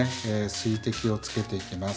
水滴をつけていきます。